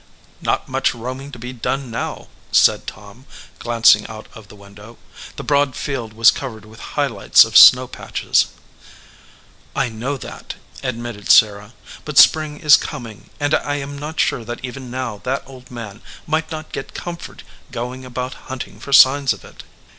"Not much roaming to be done now/ said Tom, glancing out of the window. The broad field was covered with high lights of snow patches. "I know that," admitted Sarah; "but spring is coming, and I am not sure that even now that old man might not get comfort going about hunting for signs of it."